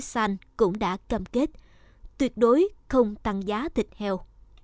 xanh cũng đã cam kết tuyệt đối không tăng giá thịt heo